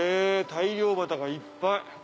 大漁旗がいっぱい。